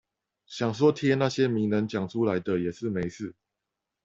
想說貼那些名人講出來的也是沒事